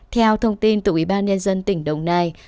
theo thông tin từ ubnd tỉnh đồng nai